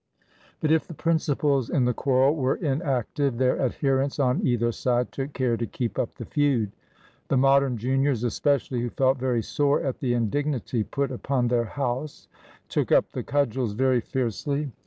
But if the principals in the quarrel were inactive, their adherents on either side took care to keep up the feud. The Modern juniors especially, who felt very sore at the indignity put upon their house, took up the cudgels very fiercely.